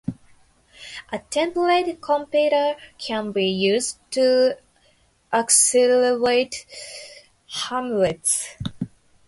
A template compiler can be used to accelerate Hamlets.